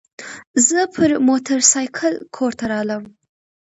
زه پر موترسایکل کور ته رالم.